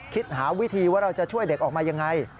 คิดหาวิธีว่าเราจะช่วยเด็กออกมายังไง